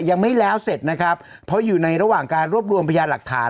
ยังไม่แล้วเสร็จนะครับเพราะอยู่ในระหว่างการรวบรวมพยานหลักฐาน